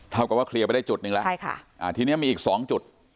กับว่าเคลียร์ไปได้จุดหนึ่งแล้วใช่ค่ะอ่าทีนี้มีอีก๒จุด